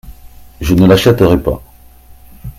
Je ne l’achèterai pas.